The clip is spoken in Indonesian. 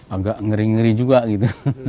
agak ngeri ngeri juga gitu